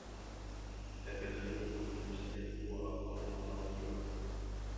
لك الخير إن جزت اللوى والمطاليا